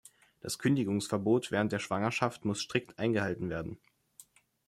Das Kündigungsverbot während der Schwangerschaft muss strikt eingehalten werden.